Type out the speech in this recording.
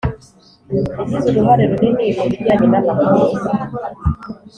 yagize uruhare runini mu bijyanye n’amakuru.